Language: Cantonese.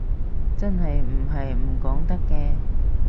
其實又唔係唔講得嘅